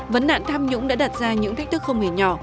vấn nạn tham nhũng đã đặt ra những thách thức không hề nhỏ